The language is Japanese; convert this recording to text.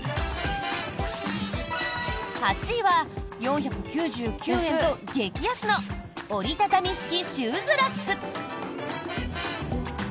８位は、４９９円と激安の折り畳み式シューズラック。